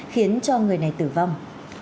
khiến cho người này tử vong